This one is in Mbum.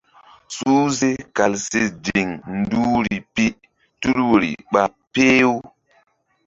Suhze kal si ziŋ duhri pi tul woyri ɓa peh-u.